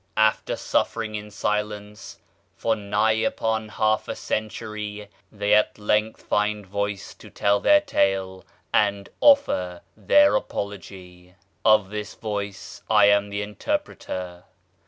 After suffering in silence for nigh upon half a century, they at length find voice to tell their tale and offer their apology. Of this voice I am the interpreter.